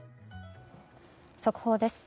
速報です。